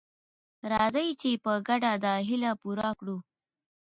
راځئ چې په ګډه دا هیله پوره کړو.